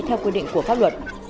theo quy định của pháp luật